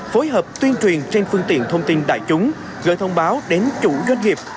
phối hợp tuyên truyền trên phương tiện thông tin đại chúng gửi thông báo đến chủ doanh nghiệp